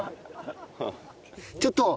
ちょっと！